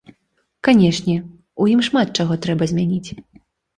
Канешне, у ім шмат чаго трэба змяніць.